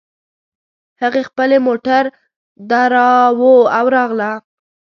هغې خپلې موټر ودراوو او راغله